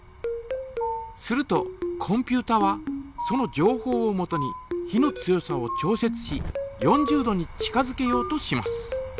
するとコンピュータはそのじょうほうをもとに火の強さを調節し４０度に近づけようとします。